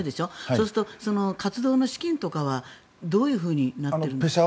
そうすると活動の資金とかはどういうふうになってるんですか？